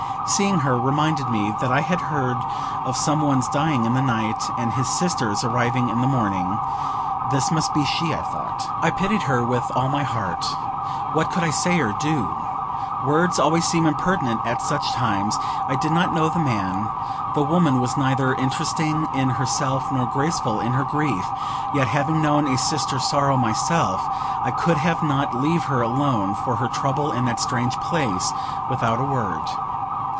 Seeing her, reminded me that I had heard of some one's dying in the night, and his sister's arriving in the morning. This must be she, I thought. I pitied her with all my heart. What could I say or do? Words always seem impertinent at such times; I did not know the man; the woman was neither interesting in herself nor graceful in her grief; yet, having known a sister's sorrow myself, I could have not leave her alone with her trouble in that strange place, without a word.